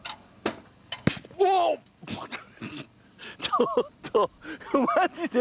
ちょっとマジで？